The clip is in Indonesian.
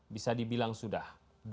bisa dibilang sudah